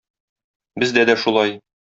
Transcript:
Бездә дә шулай.